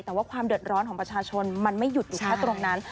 แต่ว่าความเดือดร้อนของประชาชนมันไม่หยุดอยู่แค่ตรงนั้น